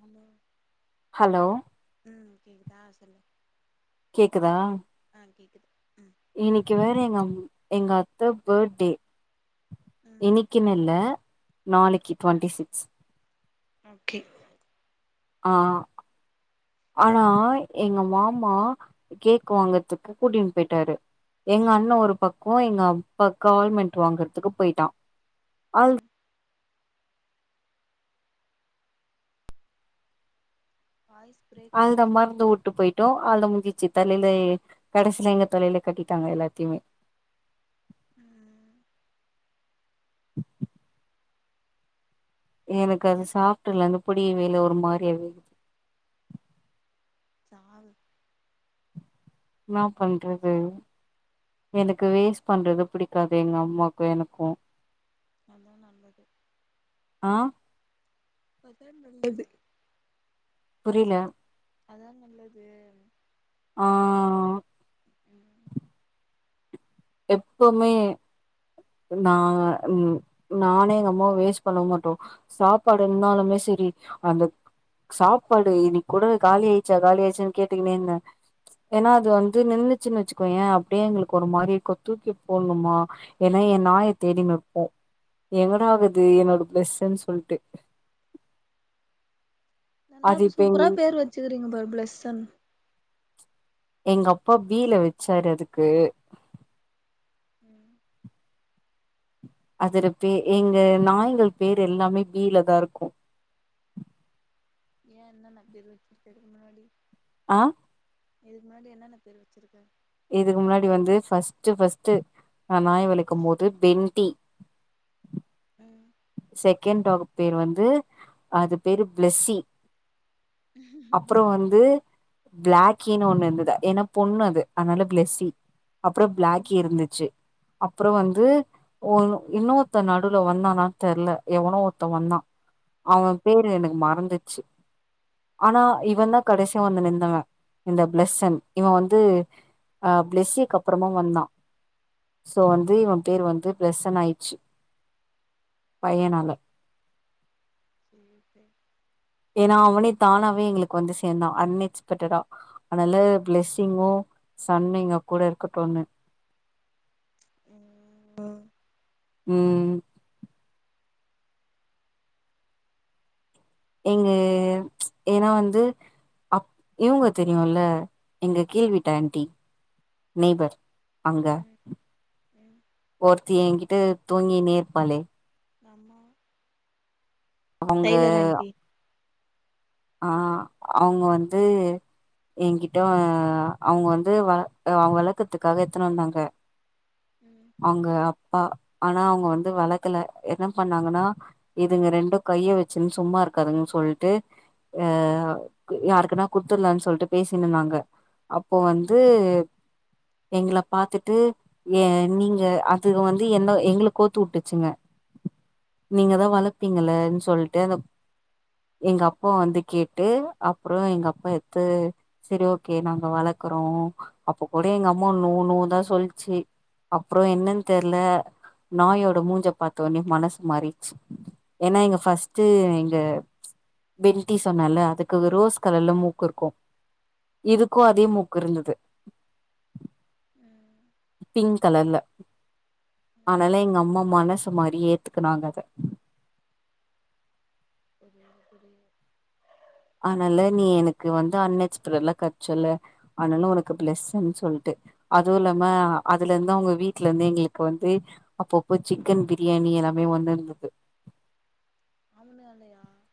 Hello hello ம் கேக்குதா சொல்லு கேக்குதா அ கேக்குது அ இன்னிக்கு வேற எங்க அம் எங்க அத்த பர்டே ம் இன்னிக்கினில்ல நாளைக்கு டொவெண்டி சிக்ஸ் ஓகே ஆ ஆனா எங்க மாமா கேக் வாங்கறதுக்கு கூட்டினு போயிட்டாரு எங்க அண்ணன் ஒரு பக்கம் எங்க அப்பா கால்மெண்ட் வாங்கறதுக்கு போயிட்டா அது ம் வாய்ஸ் பிரேக் அந்த ஆயிடுச்சு மருந்து உட்டு போயிட்டா ட்டம் அது முதிச்சு தலைல கடசில எங்க தலைல கட்டிட்டாங்க எல்லாத்தையுமே ம் எனக்கு அது சாப்படல அந்து பொடியவே இல்ல ஒரு மாரியாவே இந்தது தாரு இன்னா பண்றது எனக்கு வேஸ்ட் பண்றது புடிக்காது எங்க அம்மாக்கும் எனக்கும் நல்லா நல்லது ஆ எது புரில அதா நல்லது ஆ ம் எப்பமே நா நானு எங்க அம்மாவும் வேஸ் பண்ண மாட்டோ சாப்பாடு இருந்தாலுமே செரி அந்த சாப்பாடு இனிக்கூட காலி ஆயிச்சா காலி ஆயிச்சான்னு கேட்டுக்குனே இந்தேன் ஏன்னா அது வந்து நின்னுச்சுனு வச்சுக்கோயே அப்டியே எங்களுக்கு ஒரு மாரி தூக்கி போண்ணுமா ஏன்னா என் நாய தேடினு வெப்போ எங்கடாகுது என்னோட பிளஸ்ஸன் சொல்ட்டு நல்லா அது இது இப்ப எங்க சூப்பரா பேர் வெச்சுக்கிறீங்க பாரு பிளஸ்ஸன் எங்க அப்பா பீல வெச்சாறு அதுக்கு ம் அதோட பே எங்க நாய்கள் பேர் எல்லாமே பீல தா இருக்கும் ஏன் என்னென்ன பேர் வெச்சிருக்க இதுக்கு முன்னாடி ஆ இதுக்கு முன்னாடி என்னென்ன பேர் வெச்சுருக்க இதுக்கு முன்னாடி வந்து ஃபஸ்ட்டு ஃபஸ்ட்டு நாநாய் வளக்கும் போது பெண்டி ம் செகண்ட் டாக் பேர் வந்து அது பேரு பிளேஸ்ஸி அப்பறம் ம் வந்து பிளக்கின்னு ஒண்ணு இந்தது ஏன்னா பொண்ணு அது அதனால பிளஸ்ஸி அப்பறோ ம் பிளாக்கி இருந்துச்சு அப்பறோ வந்து ஒ இன்னொருத்த நடுவுல வந்தானா தெர்ல எவனோ ஒருத்த வந்தா அவெ பேரு எனக்கு மறந்துச்சு ஆனா இவந்தா கடைசியா வந்து நின்னவ இந்த பிளஸ்ன் இவெ வந்து அ பிளஸ்யிக்கு அப்பறமா வந்தா சோ வந்து இவெ பேர் வந்து பிளஸ்ஸன் ஆயிடுச்சு பையனால சேரி சேரி ஏன்னா அவனே தானாவே எங்களுக்கு வந்து சேர்ந்தா அன் எக்ஸ்பெக்டடா அதனால பிளஸ்ஸிங்கு சன்னு எங்க கூட இருக்கட்டுன்னு ம் ம் எங்க ஏன்னா வந்து அப் இவங்க தெரியுல்ல எங்க கீழ் வீட்டு ஆன்ட்டி நெய்பர் அங்க ம் ம் ஒருத்தி எங்கிட்ட தூங்கினேருப்பாளே ஆமா அவங்க ஆ அவங்க வந்து எங்கிட்ட அவங்க வந்து வள அ வளக்கத்துக்காக எத்துனு வந்தாங்க ம் அவங்க அப்பா ஆனா அவங்க வந்து வளக்கல என்ன பண்ணாங்கன்னா இதுங்க ரெண்டு கைய வெச்சுன்னு சும்மா இருக்காதுங்கன் சொல்ட்டு அ யாருக்குன்னா குடுத்துல்லான்னு சொல்ட்டு பேசினு இந்தாங்க அப்போ வந்து ம் எங்கள பாத்துட்டு ஏ நீங்க அதுக வந்து என்ன எங்கள கோத்து வுட்டுச்சுங்க நீங்கதா வளப்பீங்களேனு சொல்ட்டு அந்த எங்க அப்பா வந்து கேட்டு அப்புறோ எங்க அப்பா எத்து செரி ஓகே நாங்க வளர்க்கறோ அப்ப கூட எங்க அம்மா நோ நோ தா சொல்ச்சு அப்றோ என்னன்னு தெர்ல நாயோட மூஞ்ச பாத்தோனே மனசு மாறிச்சு ஏன்னா எங்க ஃபஸ்ட் எங்க வி ட்டி சொன்னல்ல அதுக்கு ரோஸ் கலர்ல மூக்கு இருக்கு இதுக்கு அதே மூக்கு இருந்துது ம் பிங்க் கலர்ல ம் ஆனால எங்க அம்மா மனசு மாரி ஏத்துக்குனாங்க அத [inaudible] அதனால நீ எனக்கு வந்து அன்எக்ஸ்பரல்லா கெட்ச்சல்ல ஆனால உனக்கு பிளஸ்ஸுன் சொல்ட்டு அதுவு இல்லாம அதுலந்து அவங்க வீட்ல இருந்து எங்களுக்கு வந்து அப்பப்போ சிக்கன் பிரியாணி எல்லாமே வந்துருந்தது [unintelligible]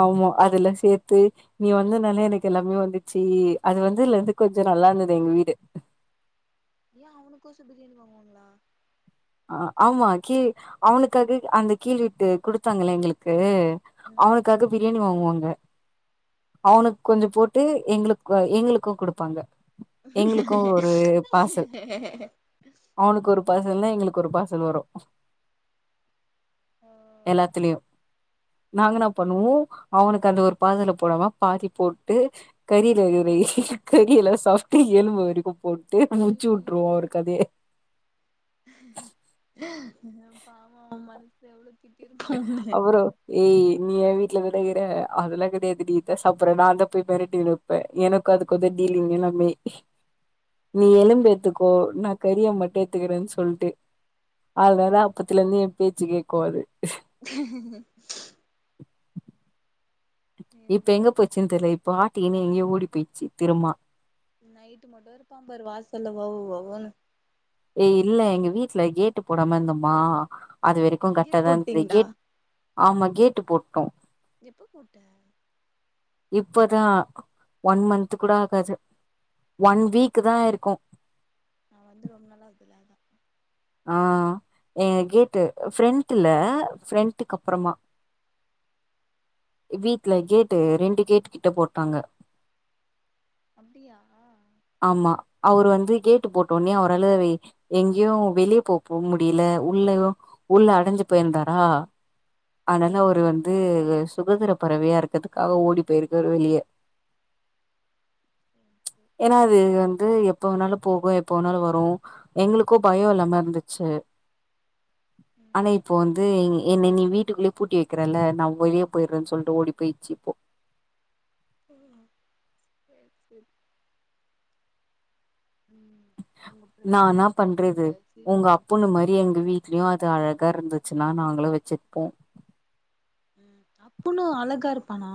ஆமா அதுல்லா சேத்து நீ வந்தனால எனக்கு எல்லாமே வந்துச்சு அது வந்ததுலந்து கொஞ்சொ நல்லாருந்தது எங்க வீடு யா அவனுக்கோசொ பிரியாணி வாங்குவாங்களா அ ஆமா கீ அவனுக்காக அந்த கீழ்வீட்டு குடுத்தாங்களே எங்களுக்கு ம் அவனுக்காக பிரியாணி வாங்குவாங்க அவனுக் கொஞ்சொ போட்டு எங்ளுக் எங்களுக்கு குடுப்பாங்க எங்களுக்கு ஒரு பார்சல் அவனுக்கு ஒரு பார்சல்னா எங்களுக்கு ஒரு பார்சல் வரு ஆ எல்லாத்துலையு நாங்கெனா பண்ணுவோ அவனுக்கு அந்த ஒரு பார்சல போடாம பாதி போட்டு கறிலவரு கறியெல்லா சாப்ட்டு எலும்பு அவருக்கு போட்டு டியே முட்ச்சு விட்ருவோ அவரு கதையே பாவோ அவ மனசுல எவ்ளோ திட்ட இருக்கு உன்ன அப்புறோ ஏய் நீ ஏ வீட்ல தங்கிக்கற அதெல்லா கெடையாது நீ தா சாப்டுற நா தா போய் [unintelligible] இப்ப எனக்கு அதுக்கு [unintelligible] டீலிங் எல்லாமே நீ ம் எலும்பு எத்துக்கோ நா கரிய மட்டு எத்துக்கிறேன்னு சொல்ட்டு அதுனால ம் அப்ப துல இருந்து ஏ பேச்ச கேக்கு அது ஹ்ம்ம்ம்! ஹஃ இப்ப இது எங்க போச்சுன்னு தெரில இப்ப ஆட்டினு எங்கேயோ ஓடி போயிடுச்சு திரும்மா நைட்டு மட்டு இருப்பான் பாரு வாசல்ல வவ் வவ்ன்னு ஏ இல்ல எங்க வீட்ல கேட்டு போடாம இருந்தோமா அது வரைக்கு இப்ப கேட் கரெக்ட்டாதா இருந்தது போட்டீங்ளா கேட் ஆமா கேட்டு போட்டோ எப்ப போட்ட இப்பதா ஒன் மன்த் கூட ஆகாது ஒன் வீக்கு தா ஆயிருக்கு நா வந்து ரொம்ப நாள் ஆகுதுல அதா ஆ எங்க கேட்டு ஃப்ரண்ட்ல ஃப்ரண்ட்க்கு அப்றமா வீட்ல கேட்டு ரெண்டு கேட்டு கிட்ட போட்டாங்க அப்டியா ஆமா அவரு வந்து கேட்டு போட்ட ஒடனே அவரால எங்கேயோ வெளியே போ போ முடில உள்ள உள்ள அடஞ்சு போயிருந்தாரா அதனால ம் அவரு ம் வந்து ம் சுகந்திர பறவையா இருக்கதுக்காக ஓடி போயிருக்காரு வெளிய சேரி சேரி ஏன்னா அது வந்து எப்ப வேணாலு போகு எப்ப வேணாலு வரு எங்களுக்கு பயோ இல்லாம இருந்துச்சு ஆனா ம் இப்போ வந்து என்ன நீ வீட்டுக்குள்ளயே பூட்டி வெக்கிறல நா [unintelligible] போயிற்றேன்னு சொல்ட்டு ஓடி போயிட்ச்சு இப்போ சேர் சேரி ம் உங்க நான் பிரதர் என்ன என்னா பண்றது பண்றாரு சிரிப்பு காமிச்சுட்டு போனவரு அப்டியு அது அழகா இருந்துச்சுன்னா நாங்களு வெச்சுருப்போ ம் அவ்ளோ அழகா இருப்பானா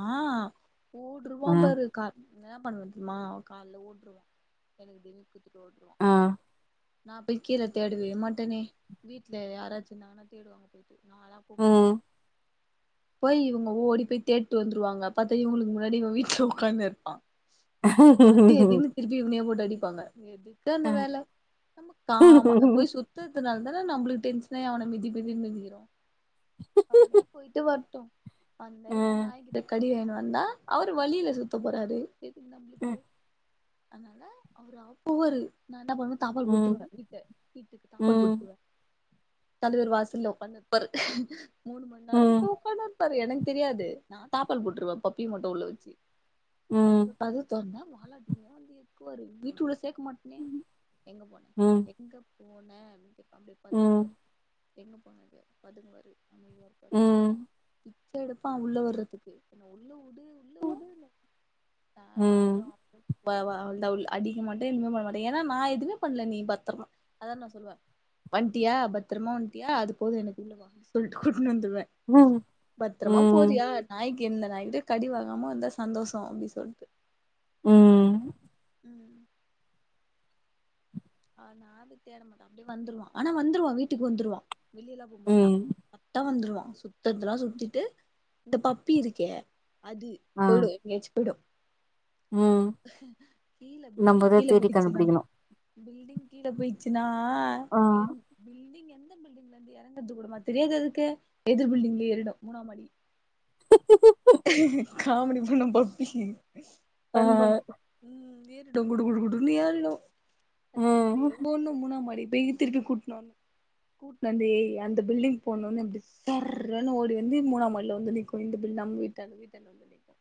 ஆ போட்ருவான் பாரு கால் என்ன பண்ணுவா தெரியுமா கால்ல ஓட்டுருவான் எனக்கு டிமிக்கி குத்துட்டு ஓ ஆ நா போய் கீழ தேடவே மாட்டனே வீட்ல யாராச்சி இருந்தாங்கன்னா தேடுவாங்க போயிட்டு நால்லா போ மாட்ட ம் போயி இவங்க ஓடி போயி தேடிட்டு வந்துருவாங்க பாத்தா இவங்களுக்கு முன்னாடி இவ வீட்ல உக்காந்திருப்பா அடி அடின்னு திருப்பி இவனயே போட்டு அடிப்பாங்க எதுக்கு அந்த ஆ வேல நம்ம காமா போயி சுத்துனதுனால தான நம்முளுக்கு டென்ஷன்னாயி அவன மிதி மிதின்னு மிதிக்குறோ அவனே போயிட்டு வரட்டு வந்து ஆ எதாது நாய்கிட்ட கடி வாங்கிட்டு வந்தா அவரு வலில சுத்த போறாரு எதுக்கு நம்முளுக்கு அதனால அவரா போவாரு நா என்ன பண்ணுவே தாப்பால் போட்டு ம் போட்ருவ வீட்ட வீட்டுக்கு தாப்பால் ம் போட்ருவே தலைவர் வாசல்ல ஒக்காந்துனுருப்பாரு மூணு மண் நேரோ கிட்ட ம் உக்கான்னுயிரு பாரு எனக்கு தெரியாது நா தாப்பல் போட்ருவே பப்பிய மட்டு உள்ள வெச்சு ம் ம் கதவ தொறந்தா வாலாட்டினே வந்து இருக்குவாரு வீட்டுக்குள்ள சேக்க மாட்டனே எங்க போன ம் எங்க போன அப்டி கேட்டா அப்டியே ம் பதுங்குவாரு எங்க போன பதுங்குவாரு அம பிச்சயெடுப்பா உள்ள வர்றதுக்கு என்ன உள்ள உடு உள்ள உடுன்னு நா அப்பறோ ம் அப்பறோ வந்தா உள்ள அடிக்கமாட்ட எதுமே பண்ணமாட்டே ஏன்னா நா எதுவுமே பண்ணல நீ பத்தரமா அதா நா சொல்லுவே வண்டியா பத்திரமா வண்டியா அது போது எனக்கு உள்ள வா சொல்லிட்டு கூட்டிட்டு வந்துருவே ம் பத்தரமா ம் போறியா நாய்க்கு எந்த நாய்கிட்டேயு கடி வாங்காம வந்தா சந்தோஷோ அப்படி சொல்லிட்டு ம் ம் ம் அவன யாரு தேட மாட்டோ அப்டியே வந்துருவா ஆனா வந்துருவா வீட்டுக்கு வந்துருவா வெளியல்லா போக மாட்டா ம் கரக்ட்டா வந்துருவா சுத்தறதெல்லா சுத்திட்டு இந்த பப்பி இருக்கே அது ஆ போயிடு எப்பயாச்சு போயிடு ம் கீழ பில்டிங் நம்மதா கீழே தேடி குதிச்சுதா கண்டுபிடிக்கணு பில்டிங் கீழ போயிச்சுனா ஆ என் பில்டிங் எந் ந்த பில்டிங்ல இருந்து இறங்கறது கூடமா தெரியாது அதுக்கு எதிர் பில்டிங்ல ஏறிடு மூணா மாடி காமீடி பண்ண பப்பி ஆ ஃபன் பண்ணே உம் ஏறிடு குடு குடு குடுன்னு ஏறிடும் அது பின்னாடியே ம் ஓட்ணு மூணா மாடி போயி திருப்பி கூப்ட்ணு வருணு கூட்னு வந்து அந்த பில்டிங் போணும்ன்னு அப்டி சுத் சர்ருன்னு ஓடி வந்து மூணா மாடில வந்து நிக்கு இந்த பில்லு நம்ம வீடு தன் வீட்ட நம்ப நிக்கா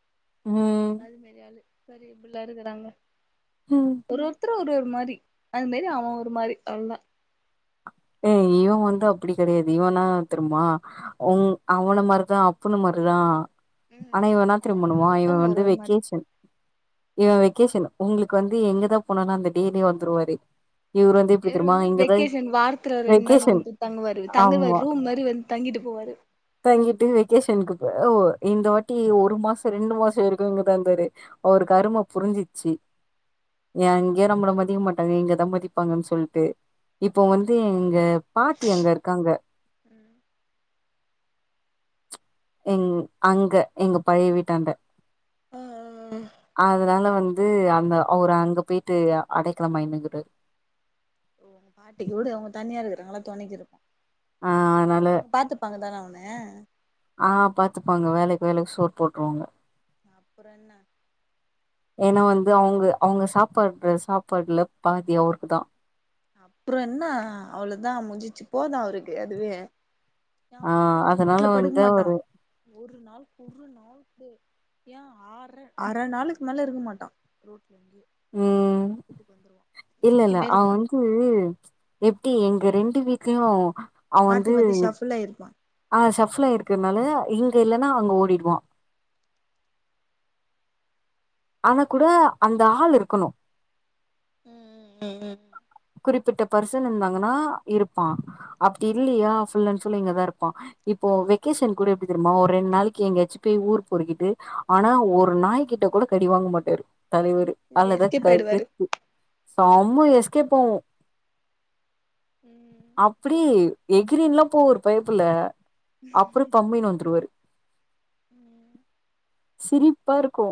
ம் அதுமாறி ஆளு பாரு எப்படில்லாம் இருக்கறாங்க ம் ஒரு ஒருத்தரு ஒரு ஒரு மாறி அது மாறி அவ ஒரு மாறி அவ்வளோதா ஏ இவ வந்து அப்டி கெடையாது. இவனா தெரிமா உ அவன மாரிதான் அப்பன மாரிதா ம் ஆனா இவ என்னா அதா தெரியுமா ஒரு பண்ணுவா இவ ஒருத்தவங்க ஒரு வந்து ஒரு மாரி வெக்கேஷன் இவ வெக்கேஷன் உங்களுக்கு வந்து எங்கதா போனாளு அந்த டேலேயே வந்துருவாரு இவரு வந்து எப்டி தெரியும்மா இங்கதா அந்த ரெண்டு நாள் வெக்கேஷன் வந்து தங்குவாரு தங்குவாரு ஆமா ரூம் மாதிரி வந்து தங்கிட்டு போவாரு தங்கிட்டு வெகேஷனுக்கு போவோ இந்த வாட்டி ஒரு மாசோ ரெண்டு மாசோ இருக்கு இங்கதா தெரி ஒரு கருமோ புரிஞ்சிச்சு எங்கயு நம்மள மதிக்க மாட்டாங்க இங்கதா மதிப்பாங்கன்னு சொல்ட்டு இப்போ வந்து ம் இங்க பாட்டி அங்க இருக்காங்க ம் எங் அங்க எங்க பழைய வீட்டாண்ட ஆ அ அதனால வந்து அந்த அவர் அங்க போயிட்டு அடைக்கலம் ஆயின்னு இருக்கறாரு பாட்டி கூட அவங்க தனியா இருக்கறாங்கல்ல துணைக்கு இருப்போ ஆ அதனால அவங்க பாத்து த்து பாங்க தானே உன்ன ஆ பாத்துப்பாங்க வேலைக்கு வேலைக்கு சோரு போட்டுருவாங்க அப்புறோ என்ன ஏன்னா வந்து அவங்க அவங்க சாப்பட்ற சாப்பாடுல பாதி அவருக்கு தா அப்புறோ என்ன அவுளோதா முடிஞ்சிச்சு போது அவருக்கு அதுவே என் ஆ அப்பு அதனால ரோட்ல படுக்க வந்து மாட்டா அவரு ஒருநாள் ஒருநாள் கூட அர நாளுக்கு மேல இருக்க மாட்டா ம் எங்கிட்ட இருந்து ம் ம் எப்டி எங்க ரெண்டு வீட்லயு அவ மாத்தி வந்து மாத்தி ஷஃபுல் ஆயிருப்பா அ சஃப்ல இருக்கறனால இங்க இல்லன்னா அங்க ஓடிடுவா ஆனா கூட அந்த ஆள் இருக்கணு ம் ம் ம் ம் குறிப்பிட்ட பர்சன் இருந்தாங்கன்னா இருப்பா அப்டி இல்லையா ஃபுல்லன் ஃபுல் இங்கதா இருப்பா இப்போ வெகேஷன் கூட எப்டி தெர்மா ஒரு ரெண் நாளைக்கு எங்காச்சு போய் ஊர் பொறிக்கிட்டு ஆனா ஒரு நாய்க்கிட்ட கூட கடி வாங்க மாட்டாரு தலைவரு அதுலதா எஸ்கேப் கா ஆயிடுவாரு கெத்து செம்ம எஸ்கேப் ஆவு அப்டி ம் எகிரின்ல்லா போவாரு பயப்புள்ள அப்றோ பம்பின்னு வந்துருவாரு ம் ம் ம் சிரிப்பா இருக்கு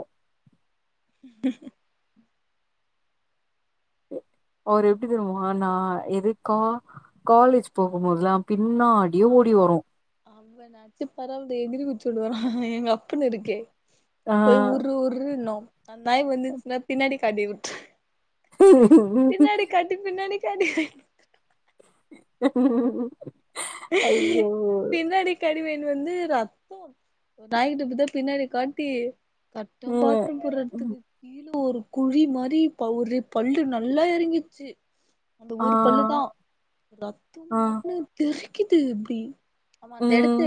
அவரு எப்டி தெரிமா நா எது கா காலேஜ் போகுபோதுதா பின்னா அவ் அவ்வனாச்சு பரவால எகுரி குச்ஓடுவா எங்க அப்பன்னு இருக்கே போய் ஆ உர்ரு உர்ருன்னு அந் நாய் வந்துச்னா பின்னாடி காட்டி வுட் பின்னாடி காட்டு பின்னாடி காட்டு பின்னாடி கடிவேங்ட்டு வந்து ரத்தோ ஒரு நாய் கிட்ட இப்டிதா பின்னாடி காட்டி கர்ட்டா பாத்ரூம் போட்ற எட்த்துக்கு கிழ ஒரு குழி மாரி பவுரு பல்லு நல்லா எறங்கிச்சு அந்த ஒரு பல்லுதா ரத்தோ மாட்னு தெரிக்குது இப்டி ஆமா அந்த எடத்து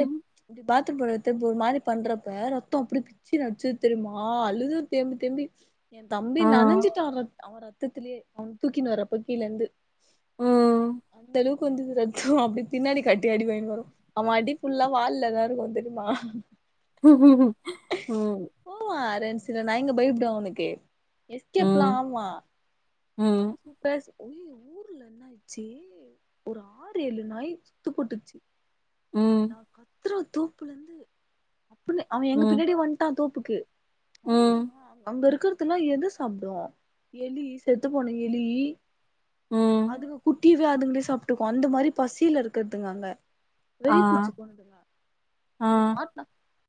இப்டி பாத்ரூம் போற எட்த் திரும்ப ஒரு மாரி பண்றப்ப ரத்தோ அப்டி பிச்சுனு அச்சது தெரிமா அழுது தேம்பி தேம்பி என் தம்பி நனஞ்சிட்டா ரத் அவ ரத்தத்திலே அவன தூக்கினு வரப்போ கீழந்து அந்தளவுக்கு வந்துது ரத் து அப்டி பின்னாடி காட்டி அடி வாங்கினு வரு அவ அடி ஃபுல்லா வால்லதா இருக்கு தெரிமா ம் போ ரெண் சில நாய்ங்க பயப்டு அவுனுக்கு எஸ்கேப்லா ஆவ்வா ம் உ பேசு அய்யயோ ஊர்ல என்ன ஆயிருச்சு ஒரு ஆறு ஏழு நாய் சுத்து போட்டுச்சு நா கத்துறே தோப்புல இந்து அப்பனே அவ எங்க பின்னாடியே வன்ட் ட்டா தோப்புக்கு அவ்ள் தா அங்க இருக்கிறதுலா எது சாப்டு எலி செத்து போன எலி அதுங்க குட்டி ய அதுங்ளே சாப்ட்டுக்கு அந்த மாரி பசில இருக்கதுங்க அங்க வெறி புச்சு போணுதுங்க இவ மாட்னா